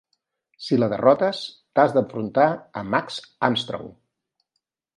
Si la derrotes, t'has d'enfrontar a Max Armstrong.